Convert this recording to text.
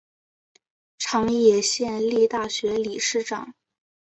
长野县立大学理事长。